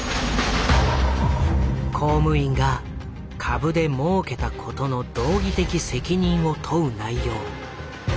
公務員が株でもうけたことの道義的責任を問う内容。